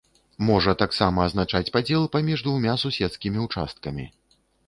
Можа таксама азначаць падзел паміж двумя суседскімі ўчасткамі.